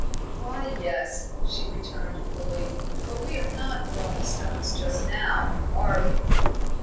"Why, yes," she returned, coolly, "but we are not throwing stones just now, are we?"